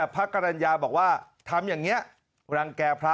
พระกรรณญาบอกว่าทำอย่างนี้รังแก่พระ